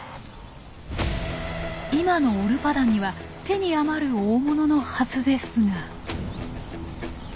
今のオルパダンには手に余る大物のはずですが。